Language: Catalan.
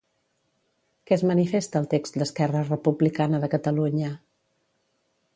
Què es manifesta al text d'Esquerra Republicana de Catalunya?